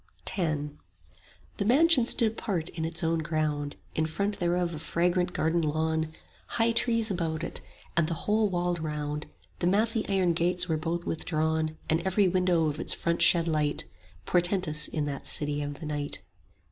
X The mansion stood apart in its own ground; In front thereof a fragrant garden lawn, High trees about it, and the whole walled round: The massy iron gates were both withdrawn; And every window of its front shed light, 5 Portentous in that City of the Night.